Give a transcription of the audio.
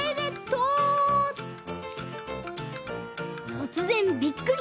「とつぜんびっくり！